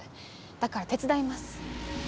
だから手伝います。